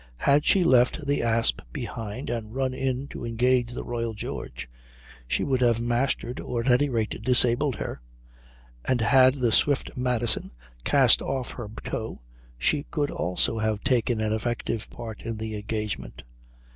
Had she left the Asp behind and run in to engage the Royal George she could have mastered, or at any rate disabled, her; and had the swift Madison cast off her tow she could also have taken an effective part in the engagement.